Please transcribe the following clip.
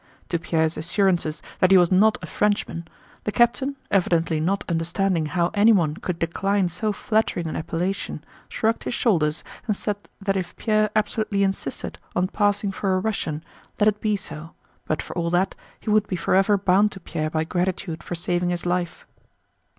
To Pierre's assurances that he was not a Frenchman, the captain, evidently not understanding how anyone could decline so flattering an appellation, shrugged his shoulders and said that if Pierre absolutely insisted on passing for a Russian let it be so, but for all that he would be forever bound to Pierre by gratitude for saving his life.